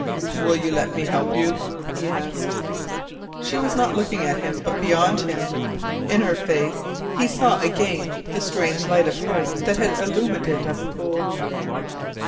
"Will you let me help you?" he asked. She was not looking at him, but beyond him. In her face he saw again the strange light of hope that had illumined it at the pool.